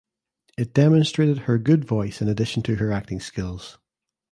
It demonstrated her good voice in addition to her acting skills.